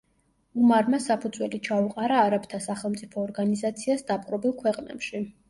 უმარმა საფუძველი ჩაუყარა არაბთა სახელმწიფო ორგანიზაციას დაპყრობილ ქვეყნებში.